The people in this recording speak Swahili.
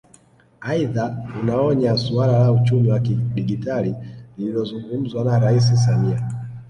Aidha anaonya suala la uchumi wa kidigitali lililozungumzwa na Rais Samia